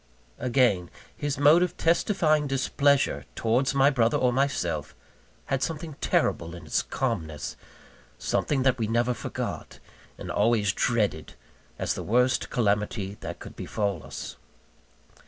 Again, his mode of testifying displeasure towards my brother or myself, had something terrible in its calmness, something that we never forgot, and always dreaded as the worst calamity that could befall us.